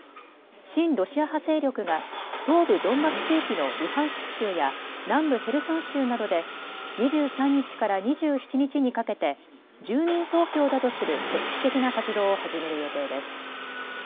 親ロシア派勢力が東部ドンバス地域のルハンシク州や南部ヘルソン州などで２３日から２７日にかけて住民投票だとする組織的な活動を始める予定です。